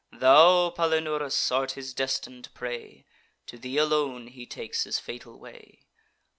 Thou, Palinurus, art his destin'd prey; To thee alone he takes his fatal way.